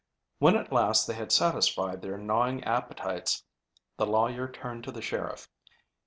When at last they had satisfied their gnawing appetites the lawyer turned to the sheriff.